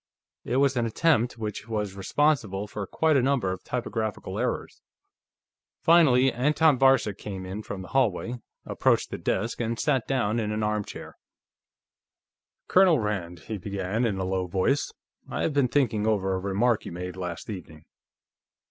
It was an attempt which was responsible for quite a number of typographical errors. Finally, Anton Varcek came in from the hallway, approached the desk, and sat down in an armchair. "Colonel Rand," he began, in a low voice, "I have been thinking over a remark you made, last evening.